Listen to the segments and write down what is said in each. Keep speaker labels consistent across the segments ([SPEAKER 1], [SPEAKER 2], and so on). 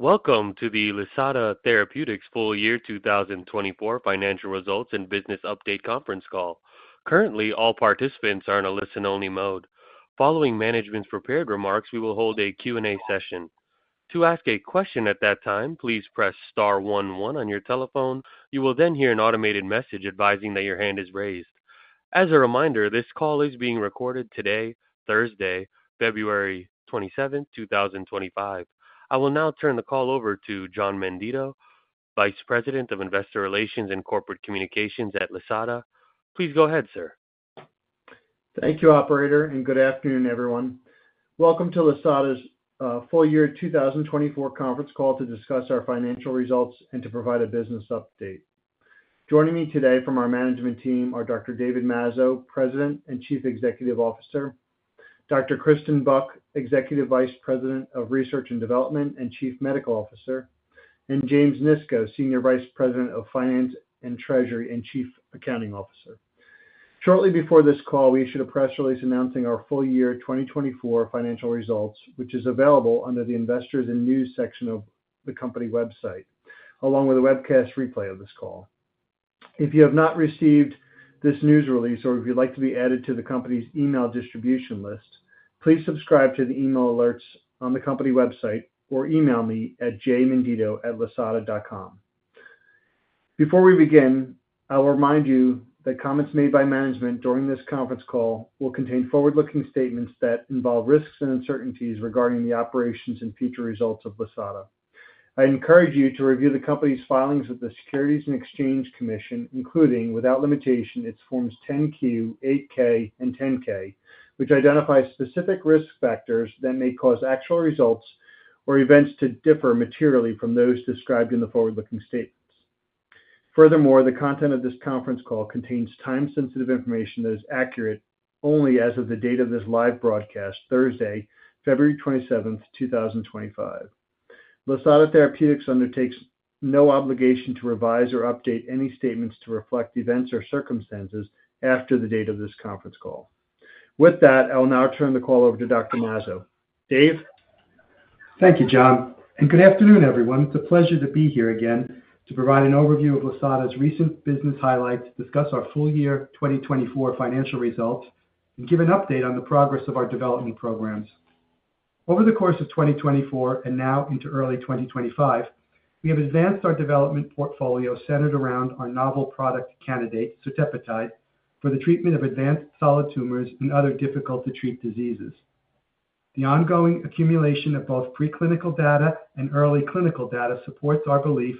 [SPEAKER 1] Welcome to the Lisata Therapeutics Full Year 2024 Financial Results and Business Update Conference Call. Currently, all participants are in a listen-only mode. Following management's prepared remarks, we will hold a Q&A session. To ask a question at that time, please press star 11 on your telephone. You will then hear an automated message advising that your hand is raised. As a reminder, this call is being recorded today, Thursday, February 27, 2025. I will now turn the call over to John Menditto, Vice President of Investor Relations and Corporate Communications at Lisata. Please go ahead, sir.
[SPEAKER 2] Thank you, Operator, and good afternoon, everyone. Welcome to Lisata's Full Year 2024 Conference Call to discuss our financial results and to provide a business update. Joining me today from our management team are Dr. David Mazzo, President and Chief Executive Officer; Dr. Kristen Buck, Executive Vice President of Research and Development and Chief Medical Officer; and James Nisco, Senior Vice President of Finance and Treasury and Chief Accounting Officer. Shortly before this call, we issued a press release announcing our full year 2024 financial results, which is available under the Investors and News section of the company website, along with a webcast replay of this call. If you have not received this news release or if you'd like to be added to the company's email distribution list, please subscribe to the email alerts on the company website or email me at jmenditto@lisata.com. Before we begin, I will remind you that comments made by management during this conference call will contain forward-looking statements that involve risks and uncertainties regarding the operations and future results of Lisata. I encourage you to review the company's filings with the Securities and Exchange Commission, including, without limitation, its Forms 10Q, 8K, and 10K, which identify specific risk factors that may cause actual results or events to differ materially from those described in the forward-looking statements. Furthermore, the content of this conference call contains time-sensitive information that is accurate only as of the date of this live broadcast, Thursday, February 27th, 2025. Lisata Therapeutics undertakes no obligation to revise or update any statements to reflect events or circumstances after the date of this conference call. With that, I will now turn the call over to Dr. David Mazzo. Dave.
[SPEAKER 3] Thank you, John. Good afternoon, everyone. It's a pleasure to be here again to provide an overview of Lisata's recent business highlights, discuss our full year 2024 financial results, and give an update on the progress of our development programs. Over the course of 2024 and now into early 2025, we have advanced our development portfolio centered around our novel product candidate, certepetide, for the treatment of advanced solid tumors and other difficult-to-treat diseases. The ongoing accumulation of both preclinical data and early clinical data supports our belief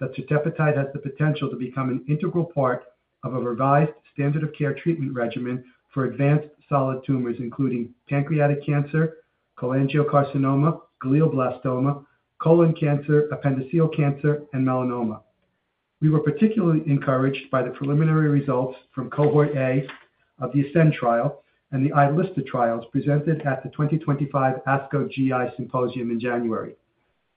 [SPEAKER 3] that certepetide has the potential to become an integral part of a revised standard of care treatment regimen for advanced solid tumors, including pancreatic cancer, cholangiocarcinoma, glioblastoma, colon cancer, appendiceal cancer, and melanoma. We were particularly encouraged by the preliminary results from Cohort A of the ASCEND trial and the iLSTA trials presented at the 2025 ASCO GI Symposium in January.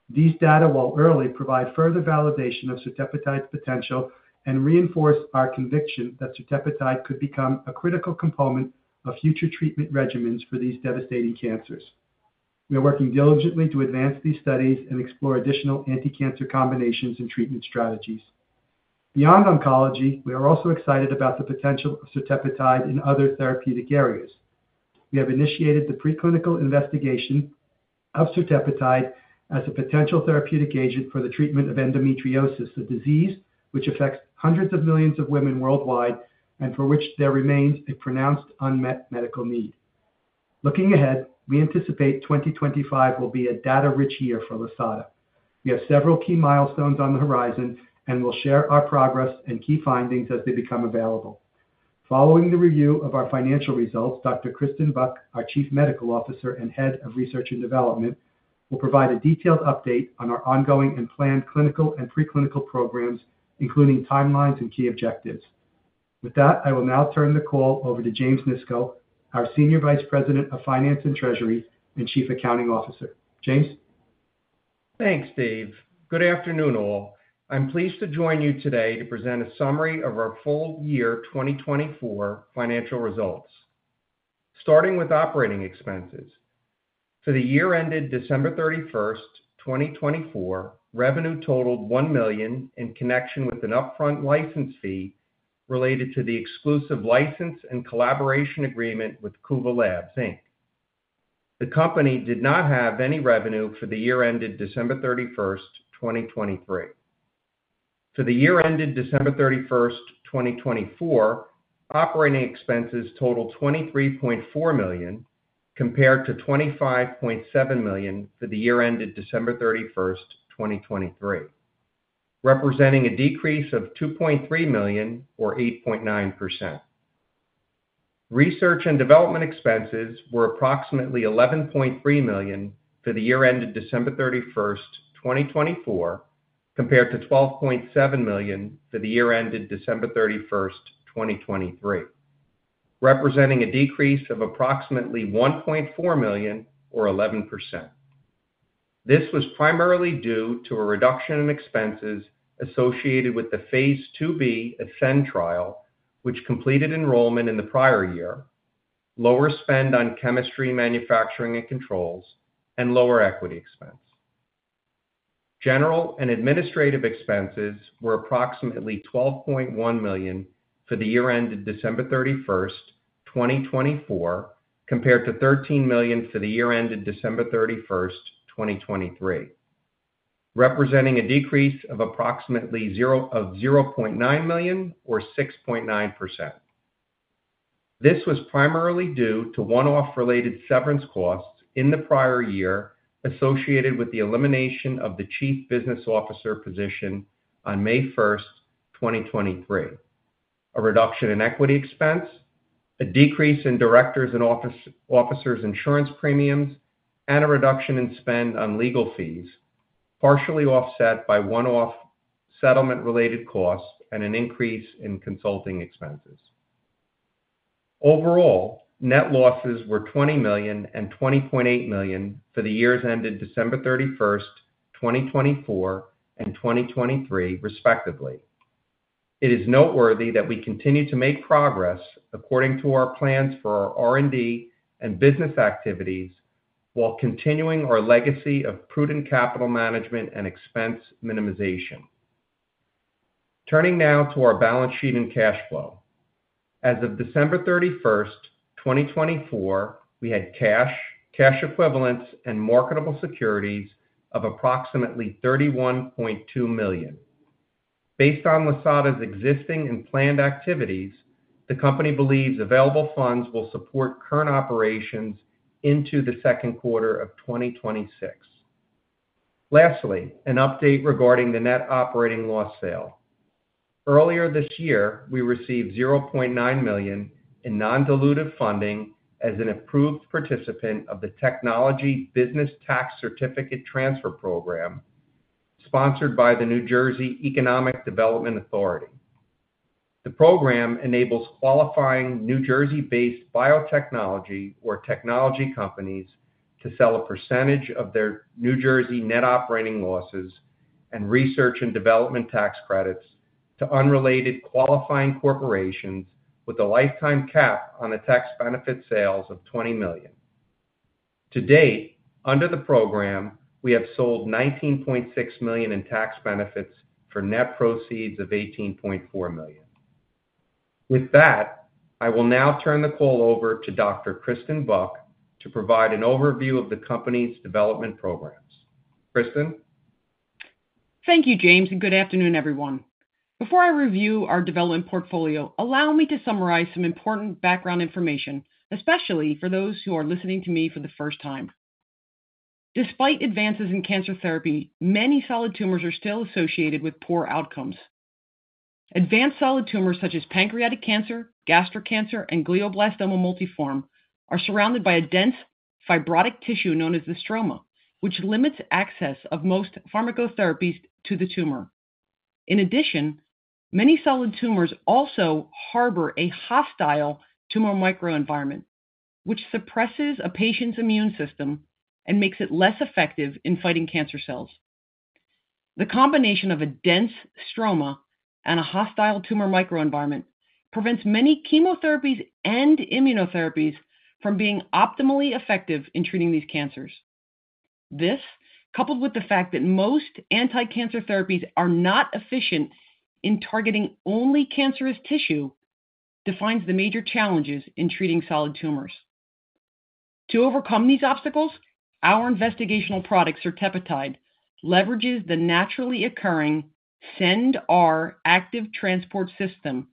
[SPEAKER 3] These data, while early, provide further validation of certepetide's potential and reinforce our conviction that certepetide could become a critical component of future treatment regimens for these devastating cancers. We are working diligently to advance these studies and explore additional anti-cancer combinations and treatment strategies. Beyond oncology, we are also excited about the potential of certepetide in other therapeutic areas. We have initiated the preclinical investigation of certepetide as a potential therapeutic agent for the treatment of endometriosis, a disease which affects hundreds of millions of women worldwide and for which there remains a pronounced unmet medical need. Looking ahead, we anticipate 2025 will be a data-rich year for Lisata. We have several key milestones on the horizon and will share our progress and key findings as they become available. Following the review of our financial results, Dr. Kristen Buck, our Chief Medical Officer and Head of Research and Development, will provide a detailed update on our ongoing and planned clinical and preclinical programs, including timelines and key objectives. With that, I will now turn the call over to James Nisco, our Senior Vice President of Finance and Treasury and Chief Accounting Officer. James.
[SPEAKER 4] Thanks, Dave. Good afternoon, all. I'm pleased to join you today to present a summary of our full year 2024 financial results. Starting with operating expenses, for the year ended December 31st, 2024, revenue totaled $1 million in connection with an upfront license fee related to the exclusive license and collaboration agreement with Kura Labs. The company did not have any revenue for the year ended December 31st, 2023. For the year ended December 31st, 2024, operating expenses totaled $23.4 million compared to $25.7 million for the year ended December 31st, 2023, representing a decrease of $2.3 million, or 8.9%. Research and development expenses were approximately $11.3 million for the year ended December 31st, 2024, compared to $12.7 million for the year ended December 31st, 2023, representing a decrease of approximately $1.4 million, or 11%. This was primarily due to a reduction in expenses associated with the phase 2b ASCEND trial, which completed enrollment in the prior year, lower spend on chemistry, manufacturing, and controls, and lower equity expense. General and administrative expenses were approximately $12.1 million for the year ended December 31st, 2024, compared to $13 million for the year ended December 31st, 2023, representing a decrease of approximately $0.9 million, or 6.9%. This was primarily due to one-off related severance costs in the prior year associated with the elimination of the Chief Business Officer position on May 1st, 2023, a reduction in equity expense, a decrease in directors' and officers' insurance premiums, and a reduction in spend on legal fees, partially offset by one-off settlement-related costs and an increase in consulting expenses. Overall, net losses were $20 million and $20.8 million for the years ended December 31st, 2024, and 2023, respectively. It is noteworthy that we continue to make progress according to our plans for our R&D and business activities while continuing our legacy of prudent capital management and expense minimization. Turning now to our balance sheet and cash flow. As of December 31st, 2024, we had cash, cash equivalents, and marketable securities of approximately $31.2 million. Based on Lisata's existing and planned activities, the company believes available funds will support current operations into the second quarter of 2026. Lastly, an update regarding the net operating loss sale. Earlier this year, we received $0.9 million in non-dilutive funding as an approved participant of the Technology Business Tax Certificate Transfer Program sponsored by the New Jersey Economic Development Authority. The program enables qualifying New Jersey-based biotechnology or technology companies to sell a percentage of their New Jersey net operating losses and research and development tax credits to unrelated qualifying corporations with a lifetime cap on the tax benefit sales of $20 million. To date, under the program, we have sold $19.6 million in tax benefits for net proceeds of $18.4 million. With that, I will now turn the call over to Dr. Kristen Buck to provide an overview of the company's development programs. Kristen.
[SPEAKER 5] Thank you, James, and good afternoon, everyone. Before I review our development portfolio, allow me to summarize some important background information, especially for those who are listening to me for the first time. Despite advances in cancer therapy, many solid tumors are still associated with poor outcomes. Advanced solid tumors such as pancreatic cancer, gastric cancer, and glioblastoma multiforme are surrounded by a dense fibrotic tissue known as the stroma, which limits access of most pharmacotherapies to the tumor. In addition, many solid tumors also harbor a hostile tumor microenvironment, which suppresses a patient's immune system and makes it less effective in fighting cancer cells. The combination of a dense stroma and a hostile tumor microenvironment prevents many chemotherapies and immunotherapies from being optimally effective in treating these cancers. This, coupled with the fact that most anti-cancer therapies are not efficient in targeting only cancerous tissue, defines the major challenges in treating solid tumors. To overcome these obstacles, our investigational product, Sotetetide, leverages the naturally occurring CendR active transport system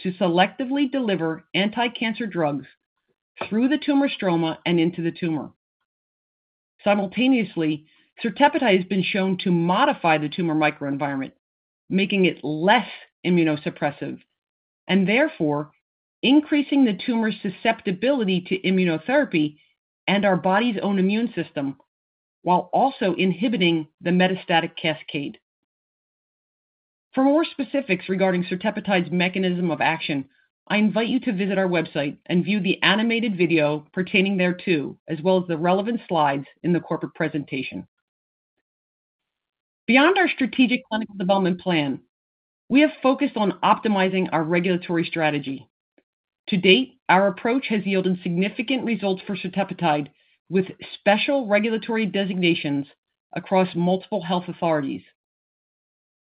[SPEAKER 5] to selectively deliver anti-cancer drugs through the tumor stroma and into the tumor. Simultaneously, Sotetetide has been shown to modify the tumor microenvironment, making it less immunosuppressive and therefore increasing the tumor's susceptibility to immunotherapy and our body's own immune system, while also inhibiting the metastatic cascade. For more specifics regarding certepetide's mechanism of action, I invite you to visit our website and view the animated video pertaining thereto, as well as the relevant slides in the corporate presentation. Beyond our strategic clinical development plan, we have focused on optimizing our regulatory strategy. To date, our approach has yielded significant results for certepetide, with special regulatory designations across multiple health authorities.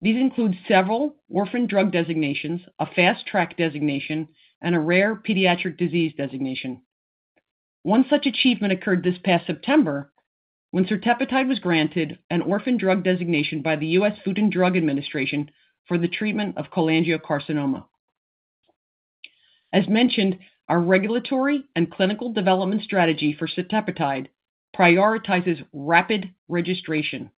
[SPEAKER 5] These include several orphan drug designations, a fast-track designation, and a rare pediatric disease designation. One such achievement occurred this past September when certepetide was granted an orphan drug designation by the U.S. Food and Drug Administration for the treatment of cholangiocarcinoma. As mentioned, our regulatory and clinical development strategy for certepetide prioritizes rapid registration.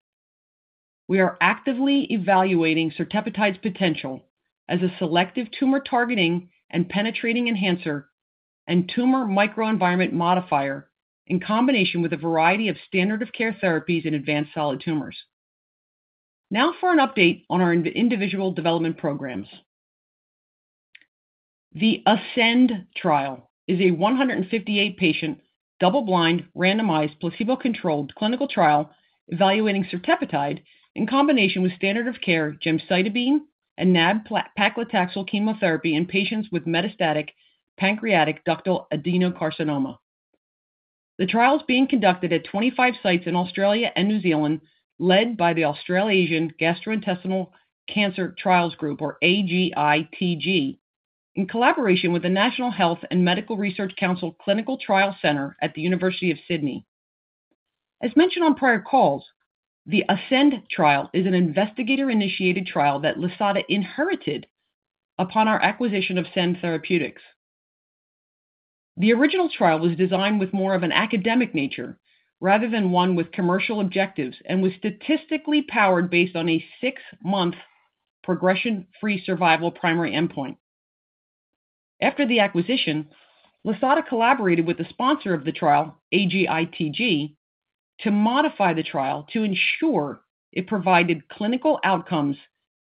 [SPEAKER 5] We are actively evaluating certepetide's potential as a selective tumor targeting and penetrating enhancer and tumor microenvironment modifier in combination with a variety of standard of care therapies in advanced solid tumors. Now for an update on our individual development programs. The ASCEND trial is a 158-patient double-blind randomized placebo-controlled clinical trial evaluating certepetide in combination with standard of care gemcitabine and nab-paclitaxel chemotherapy in patients with metastatic pancreatic ductal adenocarcinoma. The trial is being conducted at 25 sites in Australia and New Zealand, led by the Australasian Gastrointestinal Cancer Trials Group, or AGITG, in collaboration with the National Health and Medical Research Council Clinical Trial Center at the University of Sydney. As mentioned on prior calls, the ASCEND trial is an investigator-initiated trial that Lisata inherited upon our acquisition of Cend Therapeutics. The original trial was designed with more of an academic nature rather than one with commercial objectives and was statistically powered based on a six-month progression-free survival primary endpoint. After the acquisition, Lisata collaborated with the sponsor of the trial, AGITG, to modify the trial to ensure it provided clinical outcomes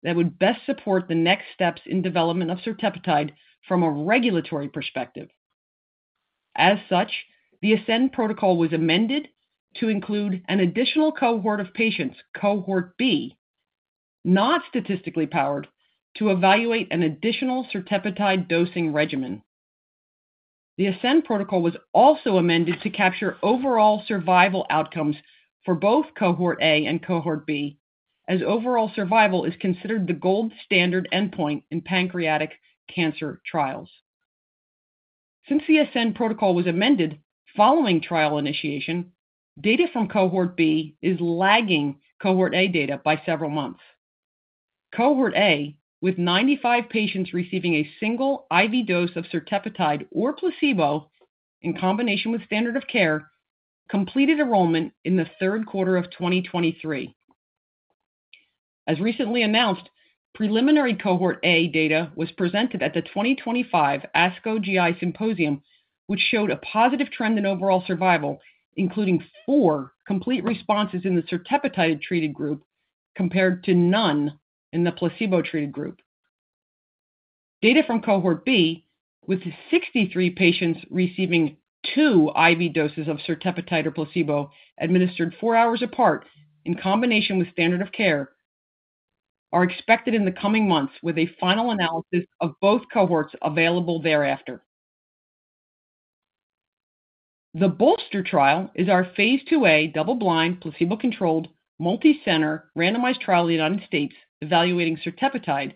[SPEAKER 5] that would best support the next steps in development of certepetide from a regulatory perspective. As such, the ASCEND protocol was amended to include an additional cohort of patients, Cohort B, not statistically powered, to evaluate an additional certepetide dosing regimen. The ASCEND protocol was also amended to capture overall survival outcomes for both Cohort A and Cohort B, as overall survival is considered the gold standard endpoint in pancreatic cancer trials. Since the ASCEND protocol was amended following trial initiation, data from Cohort B is lagging Cohort A data by several months. Cohort A, with 95 patients receiving a single IV dose of certepetide or placebo in combination with standard of care, completed enrollment in the third quarter of 2023. As recently announced, preliminary Cohort A data was presented at the 2025 ASCO GI Symposium, which showed a positive trend in overall survival, including four complete responses in the certepetide-treated group compared to none in the placebo-treated group. Data from Cohort B, with 63 patients receiving two IV doses of certepetide or placebo administered four hours apart in combination with standard of care, are expected in the coming months with a final analysis of both cohorts available thereafter. The BOLSTER trial is our phase 2a double-blind placebo-controlled multi-center randomized trial in the United States evaluating certepetide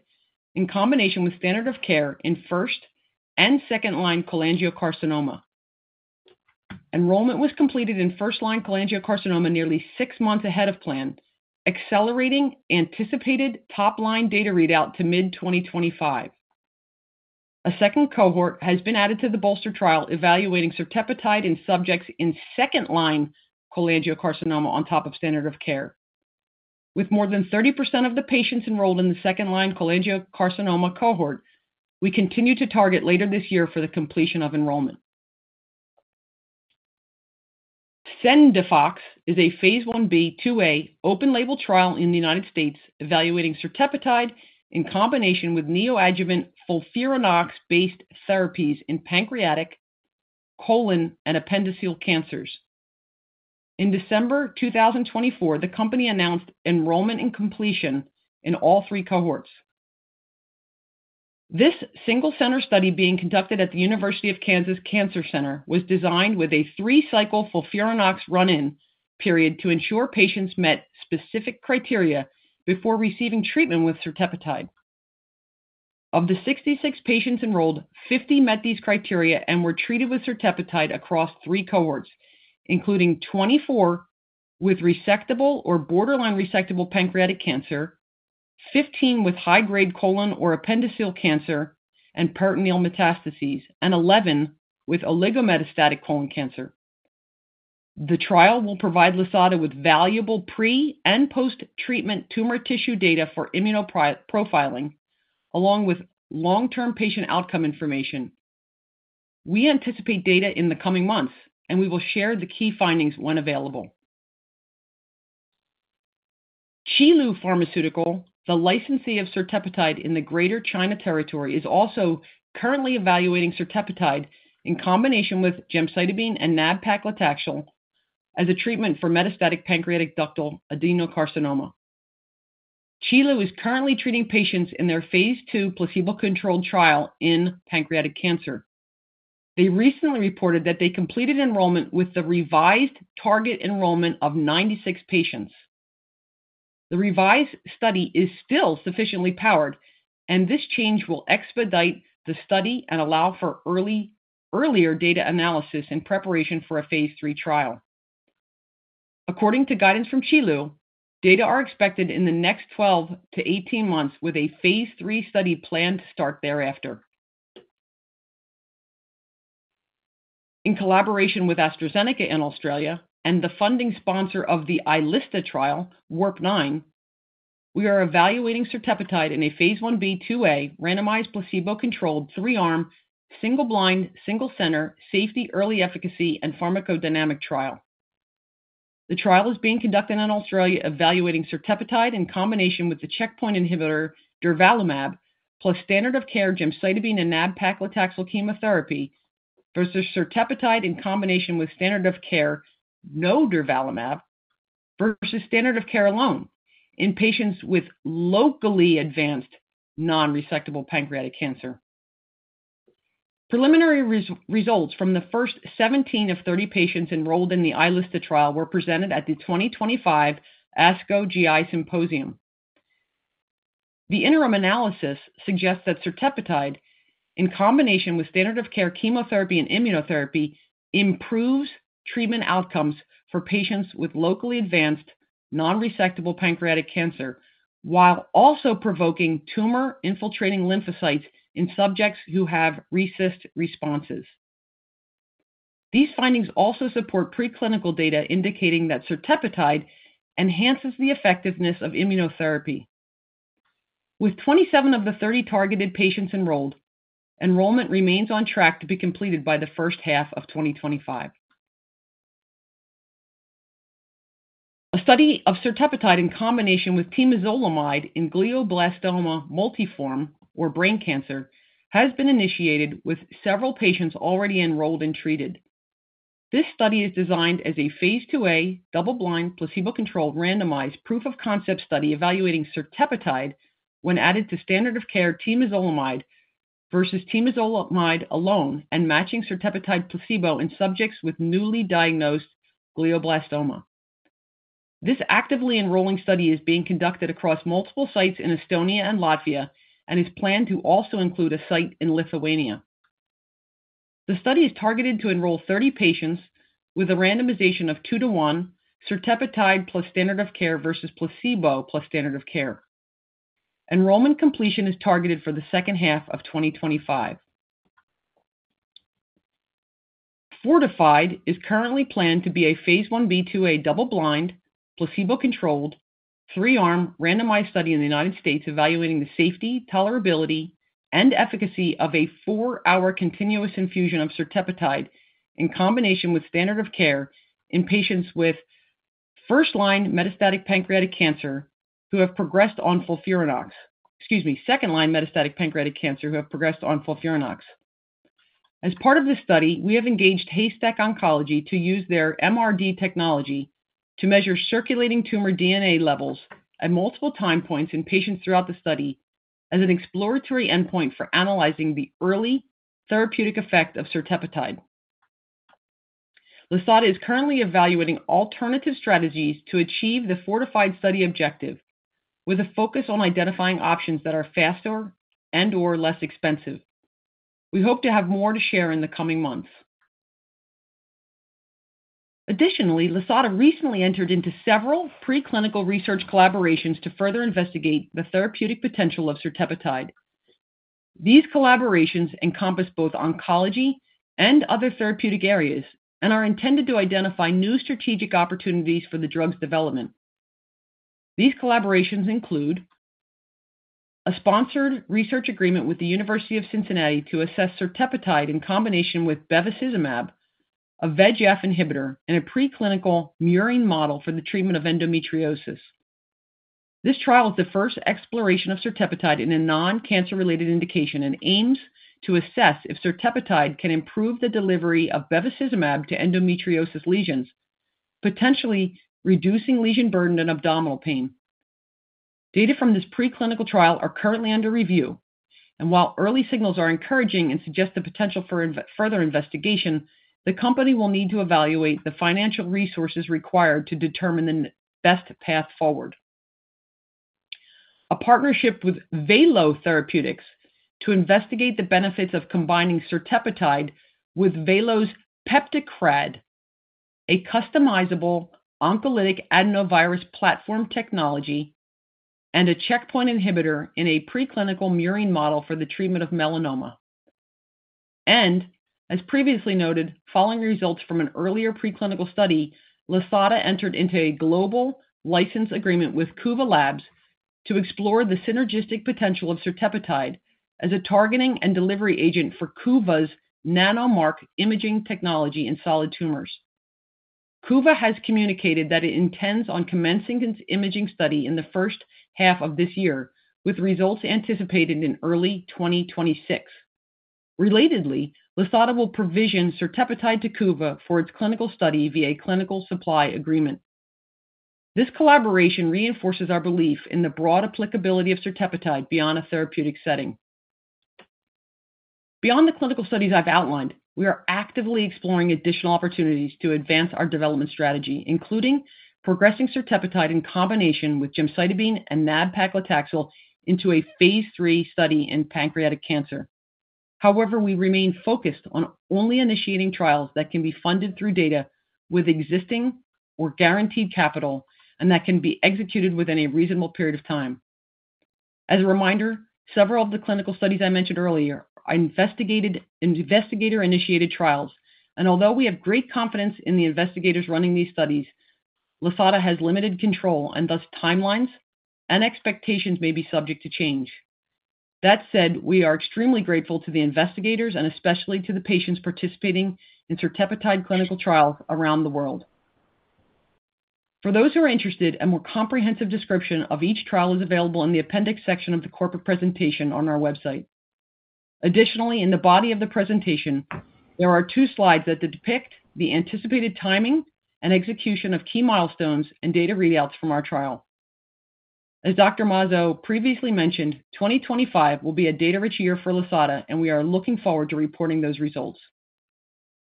[SPEAKER 5] in combination with standard of care in first and second-line cholangiocarcinoma. Enrollment was completed in first-line cholangiocarcinoma nearly six months ahead of plan, accelerating anticipated top-line data readout to mid-2025. A second cohort has been added to the BOLSTER trial evaluating certepetide in subjects in second-line cholangiocarcinoma on top of standard of care. With more than 30% of the patients enrolled in the second-line cholangiocarcinoma cohort, we continue to target later this year for the completion of enrollment. CendFox is a phase 1b, 2a open-label trial in the United States evaluating Sotetetide in combination with neoadjuvant FOLFIRINOX-based therapies in pancreatic, colon, and appendiceal cancers. In December 2024, the company announced enrollment and completion in all three cohorts. This single-center study being conducted at the University of Kansas Cancer Center was designed with a three-cycle FOLFIRINOX run-in period to ensure patients met specific criteria before receiving treatment with Sotetetide. Of the 66 patients enrolled, 50 met these criteria and were treated with Sotetetide across three cohorts, including 24 with resectable or borderline resectable pancreatic cancer, 15 with high-grade colon or appendiceal cancer and peritoneal metastases, and 11 with oligometastatic colon cancer. The trial will provide Lisata with valuable pre- and post-treatment tumor tissue data for immunoprofiling, along with long-term patient outcome information. We anticipate data in the coming months, and we will share the key findings when available. Qilu Pharmaceutical, the licensee of certepetide in the Greater China Territory, is also currently evaluating certepetide in combination with gemcitabine and nab-paclitaxel as a treatment for metastatic pancreatic ductal adenocarcinoma. Qilu is currently treating patients in their phase 2 placebo-controlled trial in pancreatic cancer. They recently reported that they completed enrollment with the revised target enrollment of 96 patients. The revised study is still sufficiently powered, and this change will expedite the study and allow for earlier data analysis in preparation for a phase 3 trial. According to guidance from Qilu, data are expected in the next 12 months-18 months, with a phase 3 study planned to start thereafter. In collaboration with AstraZeneca in Australia and the funding sponsor of the iLSTA trial, WARPNINE, we are evaluating certepetide in a phase 1b, 2a randomized placebo-controlled three-arm, single-blind, single-center safety, early efficacy, and pharmacodynamic trial. The trial is being conducted in Australia, evaluating certepetide in combination with the checkpoint inhibitor durvalumab, plus standard of care gemcitabine and nab-paclitaxel chemotherapy versus certepetide in combination with standard of care no durvalumab versus standard of care alone in patients with locally advanced non-resectable pancreatic cancer. Preliminary results from the first 17 of 30 patients enrolled in the iLSTA trial were presented at the 2025 ASCO GI Symposium. The interim analysis suggests that certepetide in combination with standard of care chemotherapy and immunotherapy improves treatment outcomes for patients with locally advanced non-resectable pancreatic cancer, while also provoking tumor infiltrating lymphocytes in subjects who have recessed responses. These findings also support preclinical data indicating that certepetide enhances the effectiveness of immunotherapy. With 27 of the 30 targeted patients enrolled, enrollment remains on track to be completed by the first half of 2025. A study of Sotetetide in combination with temozolomide in glioblastoma multiforme, or brain cancer, has been initiated with several patients already enrolled and treated. This study is designed as a phase 2a double-blind placebo-controlled randomized proof-of-concept study evaluating Sotetetide when added to standard of care temozolomide versus temozolomide alone and matching Sotetetide placebo in subjects with newly diagnosed glioblastoma. This actively enrolling study is being conducted across multiple sites in Estonia and Latvia and is planned to also include a site in Lithuania. The study is targeted to enroll 30 patients with a randomization of two-to-one Sotetetide plus standard of care versus placebo plus standard of care. Enrollment completion is targeted for the second half of 2025. FORTIFIED is currently planned to be a phase 1b, 2a double-blind placebo-controlled three-arm, randomized study in the United States evaluating the safety, tolerability, and efficacy of a four-hour continuous infusion of Sotetetide in combination with standard of care in patients with first-line metastatic pancreatic cancer who have progressed on FOLFIRINOX—excuse me, second-line metastatic pancreatic cancer who have progressed on FOLFIRINOX. As part of this study, we have engaged Haystack Oncology to use their MRD technology to measure circulating tumor DNA levels at multiple time points in patients throughout the study as an exploratory endpoint for analyzing the early therapeutic effect of Sotetetide. Lisata is currently evaluating alternative strategies to achieve the FORTIFIED study objective, with a focus on identifying options that are faster and/or less expensive. We hope to have more to share in the coming months. Additionally, Lisata recently entered into several preclinical research collaborations to further investigate the therapeutic potential of certepetide. These collaborations encompass both oncology and other therapeutic areas and are intended to identify new strategic opportunities for the drug's development. These collaborations include a sponsored research agreement with the University of Cincinnati to assess certepetide in combination with bevacizumab, a VEGF inhibitor, and a preclinical murine model for the treatment of endometriosis. This trial is the first exploration of certepetide in a non-cancer-related indication and aims to assess if certepetide can improve the delivery of bevacizumab to endometriosis lesions, potentially reducing lesion burden and abdominal pain. Data from this preclinical trial are currently under review, and while early signals are encouraging and suggest the potential for further investigation, the company will need to evaluate the financial resources required to determine the best path forward. A partnership with Valo Therapeutics to investigate the benefits of combining certepetide with Velo's PeptiCRAd, a customizable oncolytic adenovirus platform technology, and a checkpoint inhibitor in a preclinical murine model for the treatment of melanoma. As previously noted, following results from an earlier preclinical study, Lisata entered into a global license agreement with Kura Labs to explore the synergistic potential of certepetide as a targeting and delivery agent for Kura's nanomark imaging technology in solid tumors. Kura has communicated that it intends on commencing its imaging study in the first half of this year, with results anticipated in early 2026. Relatedly, Lisata will provision certepetide to Kura for its clinical study via a clinical supply agreement. This collaboration reinforces our belief in the broad applicability of certepetide beyond a therapeutic setting. Beyond the clinical studies I've outlined, we are actively exploring additional opportunities to advance our development strategy, including progressing certepetide in combination with gemcitabine and nab-paclitaxel into a phase 3 study in pancreatic cancer. However, we remain focused on only initiating trials that can be funded through data with existing or guaranteed capital and that can be executed within a reasonable period of time. As a reminder, several of the clinical studies I mentioned earlier are investigator-initiated trials, and although we have great confidence in the investigators running these studies, Lisata has limited control, and thus timelines and expectations may be subject to change. That said, we are extremely grateful to the investigators and especially to the patients participating in certepetide clinical trials around the world. For those who are interested, a more comprehensive description of each trial is available in the appendix section of the corporate presentation on our website. Additionally, in the body of the presentation, there are two slides that depict the anticipated timing and execution of key milestones and data readouts from our trial. As Dr. Mazzo previously mentioned, 2025 will be a data-rich year for Lisata, and we are looking forward to reporting those results.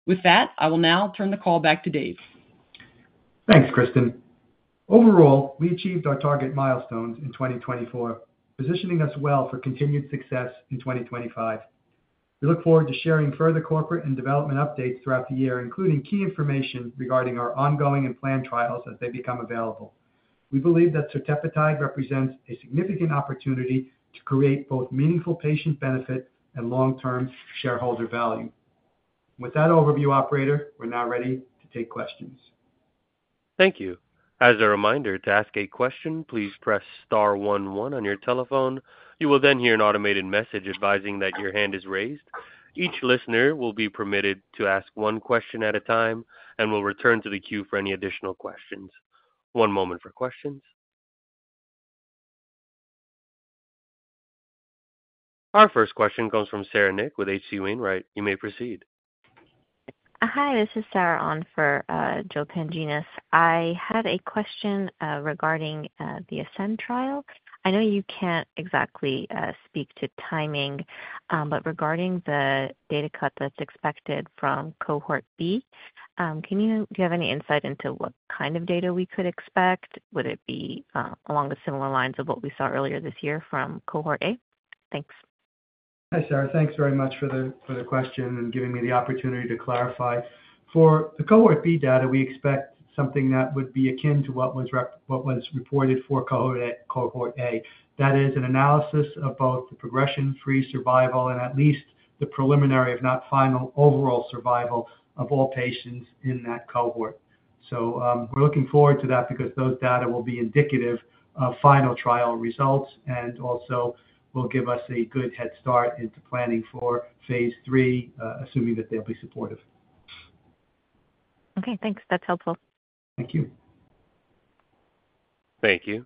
[SPEAKER 5] With that, I will now turn the call back to Dave.
[SPEAKER 3] Thanks, Kristen. Overall, we achieved our target milestones in 2024, positioning us well for continued success in 2025. We look forward to sharing further corporate and development updates throughout the year, including key information regarding our ongoing and planned trials as they become available. We believe that Sotetetide represents a significant opportunity to create both meaningful patient benefit and long-term shareholder value with that overview, Operator, we're now ready to take questions.
[SPEAKER 1] Thank you. As a reminder, to ask a question, please press star 11 on your telephone. You will then hear an automated message advising that your hand is raised. Each listener will be permitted to ask one question at a time and will return to the queue for any additional questions. One moment for questions. Our first question comes from Sarah Nik with H.C. Wainwright. You may proceed.
[SPEAKER 6] Hi, this is Sarah on for Joe Panginis. I had a question regarding the ASCEND trial. I know you can't exactly speak to timing, but regarding the data cut that's expected from cohort B, do you have any insight into what kind of data we could expect? Would it be along the similar lines of what we saw earlier this year from cohort A? Thanks.
[SPEAKER 3] Hi, Sarah. Thanks very much for the question and giving me the opportunity to clarify. For the cohort B data, we expect something that would be akin to what was reported for cohort A. That is an analysis of both the progression-free survival, and at least the preliminary, if not final, overall survival of all patients in that cohort. We are looking forward to that because those data will be indicative of final trial results and also will give us a good head start into planning for phase 3, assuming that they will be supportive.
[SPEAKER 6] Okay. Thanks. That's helpful.
[SPEAKER 3] Thank you.
[SPEAKER 1] Thank you.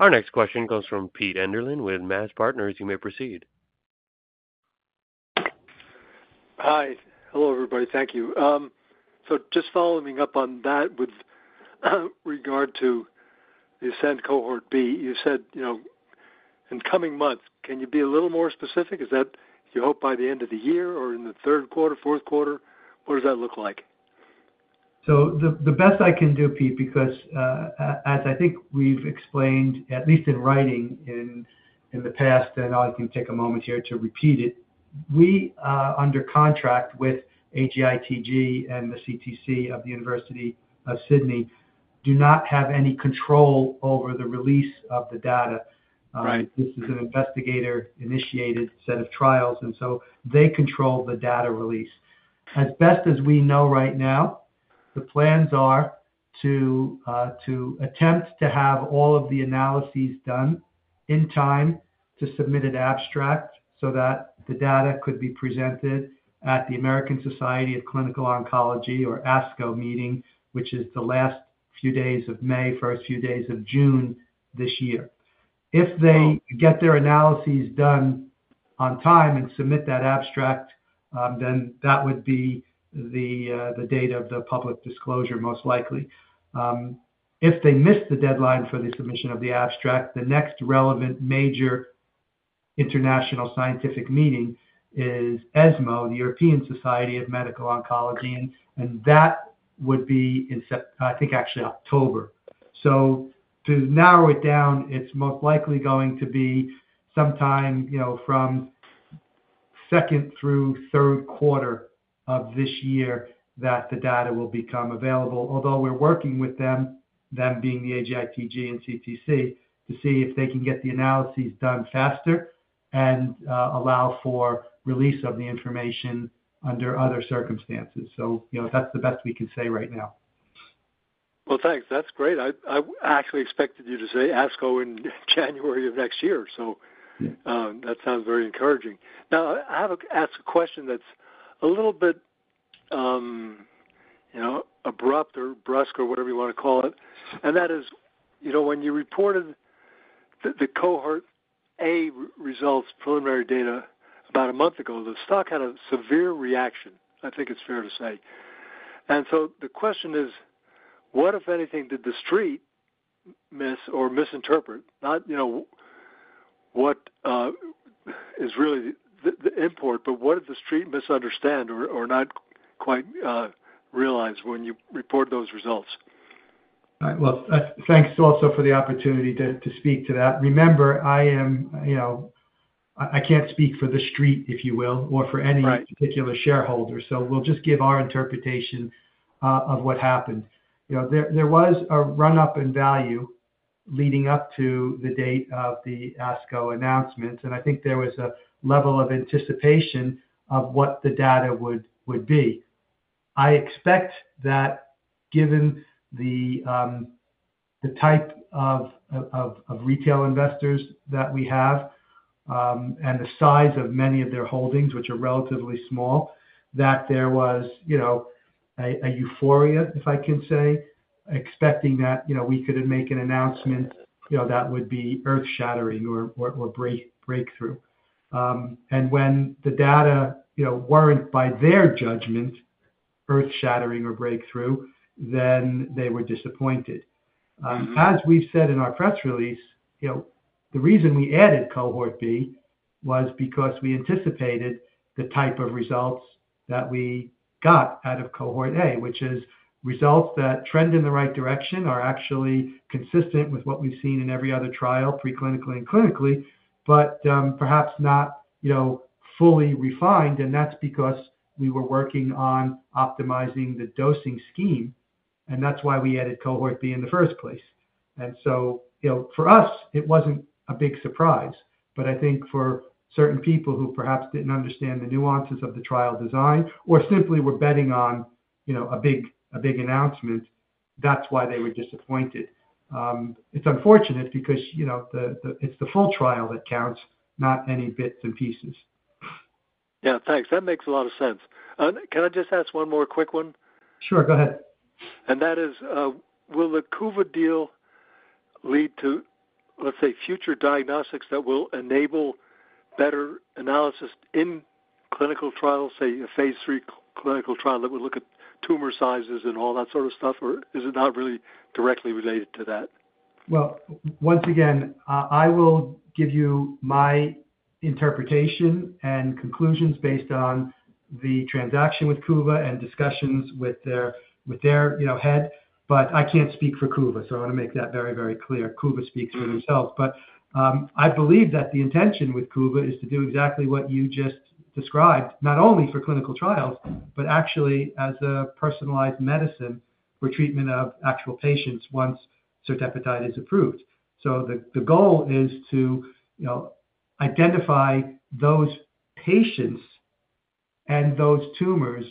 [SPEAKER 1] Our next question comes from Pete Enderlin with MAZ Partners. You may proceed.
[SPEAKER 7] Hi. Hello, everybody. Thank you. Just following up on that with regard to the ASCEND cohort B, you said in coming months, can you be a little more specific? Is that you hope by the end of the year or in the third quarter, fourth quarter? What does that look like?
[SPEAKER 3] The best I can do, Pete, because as I think we've explained, at least in writing in the past, and I'll take a moment here to repeat it, we under contract with AGITG and the CTC of the University of Sydney do not have any control over the release of the data. This is an investigator-initiated set of trials, and so they control the data release. As best as we know right now, the plans are to attempt to have all of the analyses done in time to submit an abstract so that the data could be presented at the American Society of Clinical Oncology or ASCO meeting, which is the last few days of May, first few days of June this year. If they get their analyses done on time and submit that abstract, then that would be the date of the public disclosure, most likely. If they miss the deadline for the submission of the abstract, the next relevant major international scientific meeting is ESMO, the European Society of Medical Oncology, and that would be, I think, actually October. To narrow it down, it's most likely going to be sometime from second through third quarter of this year that the data will become available, although we're working with them, them being the AGITG and CTC, to see if they can get the analyses done faster and allow for release of the information under other circumstances. That's the best we can say right now.
[SPEAKER 7] Thanks. That's great. I actually expected you to say ASCO in January of next year, so that sounds very encouraging. Now, I have to ask a question that's a little bit abrupt or brusque or whatever you want to call it, and that is when you reported the cohort A results preliminary data about a month ago, the stock had a severe reaction, I think it's fair to say. The question is, what, if anything, did the street miss or misinterpret? Not what is really the import, but what did the street misunderstand or not quite realize when you reported those results?
[SPEAKER 3] Right. Thanks also for the opportunity to speak to that. Remember, I can't speak for the street, if you will, or for any particular shareholder, so we'll just give our interpretation of what happened. There was a run-up in value leading up to the date of the ASCO announcements, and I think there was a level of anticipation of what the data would be. I expect that given the type of retail investors that we have and the size of many of their holdings, which are relatively small, there was a euphoria, if I can say, expecting that we could make an announcement that would be earth-shattering or breakthrough. When the data were not, by their judgment, earth-shattering or breakthrough, they were disappointed. As we've said in our press release, the reason we added cohort B was because we anticipated the type of results that we got out of cohort A, which is results that trend in the right direction, are actually consistent with what we've seen in every other trial, preclinically and clinically, but perhaps not fully refined, and that's because we were working on optimizing the dosing scheme, and that's why we added cohort B in the first place. For us, it wasn't a big surprise, but I think for certain people who perhaps didn't understand the nuances of the trial design or simply were betting on a big announcement, that's why they were disappointed. It's unfortunate because it's the full trial that counts, not any bits and pieces.
[SPEAKER 7] Yeah. Thanks. That makes a lot of sense. Can I just ask one more quick one?
[SPEAKER 3] Sure. Go ahead.
[SPEAKER 7] That is, will the Kura deal lead to, let's say, future diagnostics that will enable better analysis in clinical trials, say, a phase 3 clinical trial that would look at tumor sizes and all that sort of stuff, or is it not really directly related to that?
[SPEAKER 3] Once again, I will give you my interpretation and conclusions based on the transaction with Kura and discussions with their head, but I can't speak for Kura, so I want to make that very, very clear. Kura speaks for themselves. I believe that the intention with Kura is to do exactly what you just described, not only for clinical trials, but actually as a personalized medicine for treatment of actual patients once Sotetetide is approved. The goal is to identify those patients and those tumors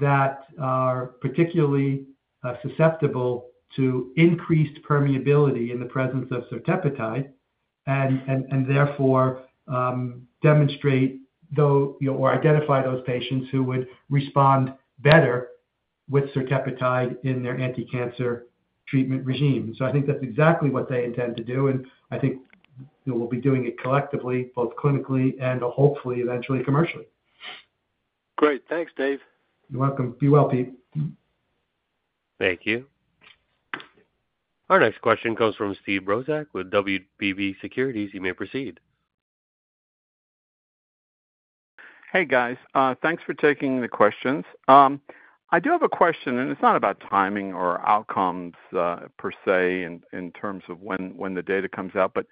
[SPEAKER 3] that are particularly susceptible to increased permeability in the presence of certepetide and therefore demonstrate or identify those patients who would respond better with Sotetetide in their anti-cancer treatment regime. I think that's exactly what they intend to do, and I think we'll be doing it collectively, both clinically and hopefully eventually commercially.
[SPEAKER 7] Great. Thanks, Dave.
[SPEAKER 3] You're welcome. Be well, Pete.
[SPEAKER 1] Thank you. Our next question comes from Steve Brozak with WBB Securities. You may proceed.
[SPEAKER 8] Hey, guys. Thanks for taking the questions. I do have a question, and it's not about timing or outcomes per se in terms of when the data comes out, but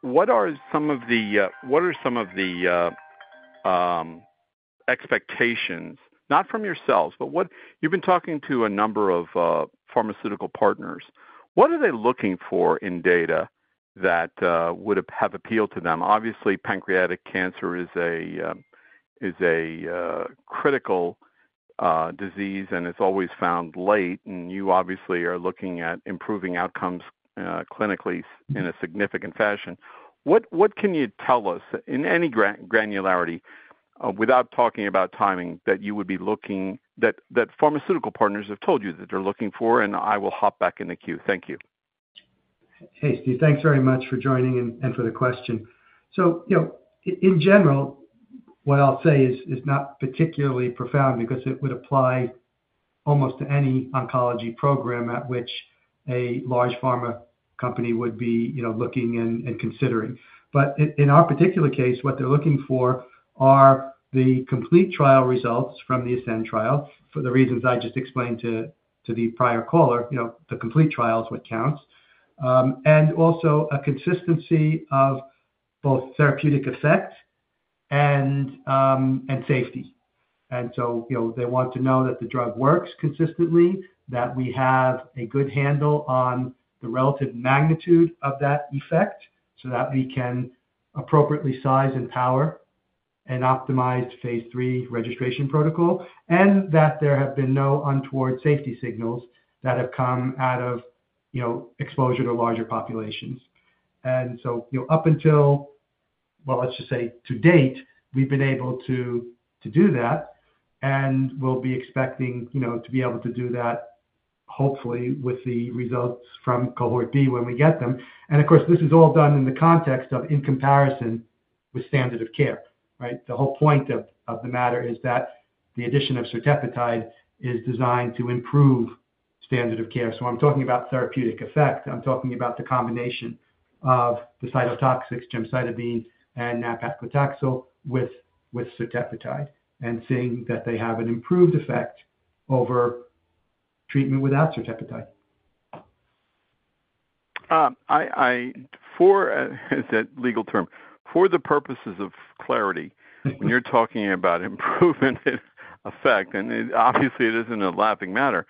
[SPEAKER 8] what are some of the expectations, not from yourselves, but you've been talking to a number of pharmaceutical partners. What are they looking for in data that would have appealed to them? Obviously, pancreatic cancer is a critical disease, and it's always found late, and you obviously are looking at improving outcomes clinically in a significant fashion. What can you tell us in any granularity without talking about timing that you would be looking that pharmaceutical partners have told you that they're looking for, and I will hop back in the queue? Thank you.
[SPEAKER 3] Hey, Steve, thanks very much for joining and for the question. In general, what I'll say is not particularly profound because it would apply almost to any oncology program at which a large pharma company would be looking and considering. In our particular case, what they're looking for are the complete trial results from the ASCEND trial for the reasons I just explained to the prior caller. The complete trial is what counts, and also a consistency of both therapeutic effect and safety. They want to know that the drug works consistently, that we have a good handle on the relative magnitude of that effect so that we can appropriately size and power an optimized phase 3 registration protocol, and that there have been no untoward safety signals that have come out of exposure to larger populations. Up until, let's just say to date, we've been able to do that, and we'll be expecting to be able to do that hopefully with the results from cohort B when we get them. Of course, this is all done in the context of in comparison with standard of care, right? The whole point of the matter is that the addition of Sotetetide is designed to improve standard of care. I'm talking about therapeutic effect. I'm talking about the combination of the cytotoxics, gemcitabine and nab-paclitaxel, with Sotetetide and seeing that they have an improved effect over treatment without Sotetetide.
[SPEAKER 8] For, it's a legal term, for the purposes of clarity, when you're talking about improvement in effect, and obviously, it isn't a laughing matter,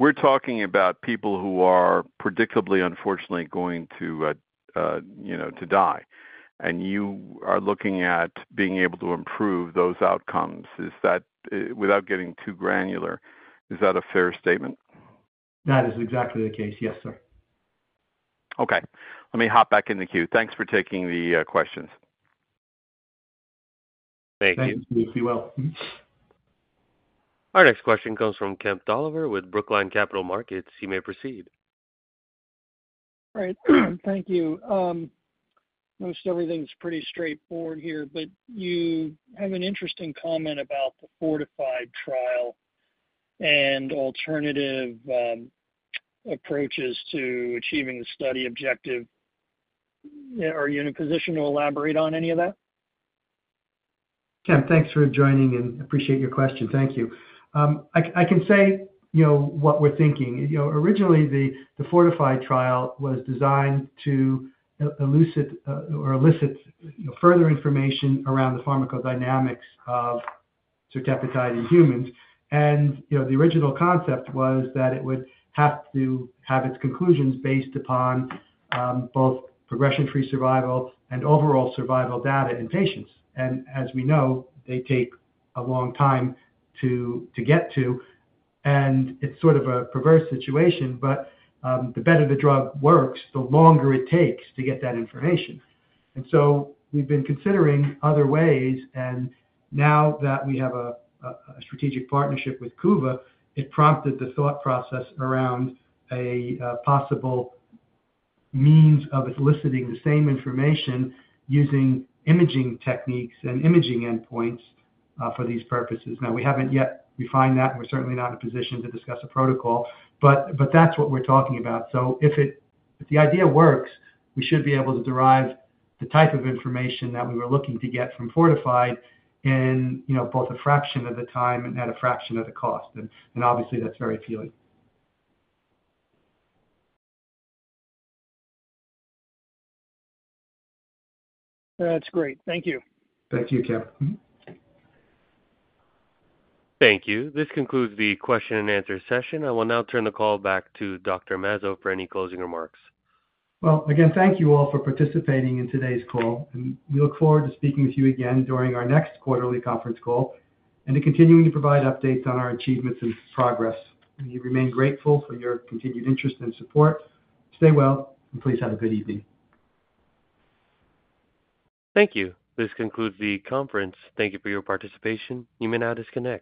[SPEAKER 8] we're talking about people who are predictably, unfortunately, going to die, and you are looking at being able to improve those outcomes. Without getting too granular, is that a fair statement?
[SPEAKER 3] That is exactly the case. Yes, sir.
[SPEAKER 8] Okay. Let me hop back in the queue. Thanks for taking the questions.
[SPEAKER 3] Thank you. Be well.
[SPEAKER 1] Our next question comes from Kemp Doliver with Brookline Capital Markets. You may proceed.
[SPEAKER 9] All right. Thank you. Most everything's pretty straightforward here, but you have an interesting comment about the Fortified trial and alternative approaches to achieving the study objective. Are you in a position to elaborate on any of that?
[SPEAKER 3] Kemp, thanks for joining and appreciate your question. Thank you. I can say what we're thinking. Originally, the Fortified trial was designed to elicit or elicit further information around the pharmacodynamics of Sotetetide in humans, and the original concept was that it would have to have its conclusions based upon both progression-free survival and overall survival data in patients. As we know, they take a long time to get to, and it's sort of a perverse situation, but the better the drug works, the longer it takes to get that information. We've been considering other ways, and now that we have a strategic partnership with Kura, it prompted the thought process around a possible means of eliciting the same information using imaging techniques and imaging endpoints for these purposes. We haven't yet refined that, and we're certainly not in a position to discuss a protocol, but that's what we're talking about. If the idea works, we should be able to derive the type of information that we were looking to get from Fortified in both a fraction of the time and at a fraction of the cost, and obviously, that's very appealing.
[SPEAKER 9] Thank you.
[SPEAKER 3] Thank you, Kemp.
[SPEAKER 1] Thank you. This concludes the question and answer session. I will now turn the call back to Dr. Mazzo for any closing remarks.
[SPEAKER 3] Again, thank you all for participating in today's call, and we look forward to speaking with you again during our next quarterly conference call and to continuing to provide updates on our achievements and progress. We remain grateful for your continued interest and support. Stay well, and please have a good evening.
[SPEAKER 1] Thank you. This concludes the conference. Thank you for your participation. You may now disconnect.